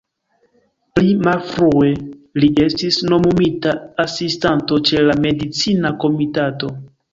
Pli malfrue, li estis nomumita Asistanto ĉe la Medicina Komitato.